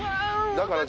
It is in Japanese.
「だから」